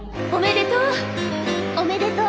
おめでとう。